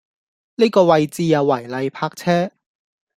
呢個位置有違例泊車